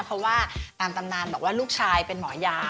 เพราะว่าตามตำนานบอกว่าลูกชายเป็นหมอยา